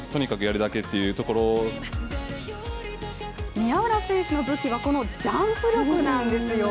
宮浦選手の武器はこのジャンプ力なんですよ！